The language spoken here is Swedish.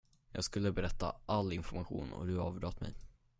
Jag skulle berätta all information och du avbröt mig.